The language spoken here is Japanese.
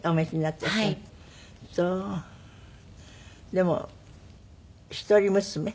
でも一人娘？